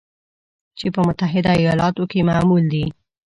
چې په متحده ایالاتو کې معمول دی